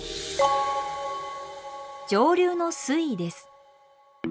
上流の水位です。